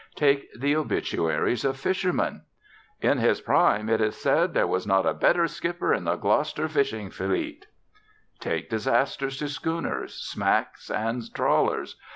Take the obituaries of fishermen. "In his prime, it is said, there was not a better skipper in the Gloucester fishing fleet." Take disasters to schooners, smacks, and trawlers.